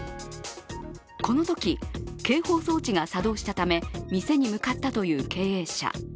このとき警報装置が作動したため店に向かったという経営者。